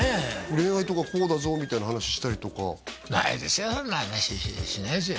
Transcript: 恋愛とかこうだぞみたいな話したりとかそんな話しないですよ